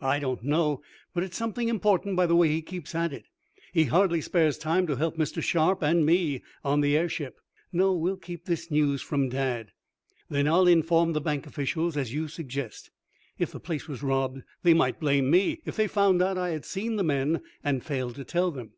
"I don't know, but it's something important by the way he keeps at it. He hardly spares time to help Mr. Sharp and me on the airship. No, we'll keep this news from dad." "Then I'll inform the bank officials, as you suggest. If the place was robbed they might blame me; if they found out I had seen the men and failed to tell them."